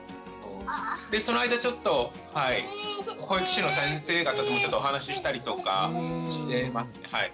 でその間ちょっと保育士の先生方ともちょっとお話ししたりとかしてますね。